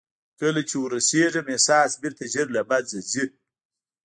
کله چې ور رسېږم احساس بېرته ژر له منځه ځي.